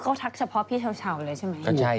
ก็ทักเฉพาะพี่เช้าเลยใช่ไหม